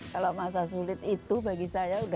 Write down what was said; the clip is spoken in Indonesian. kalau masa sulit itu bagi saya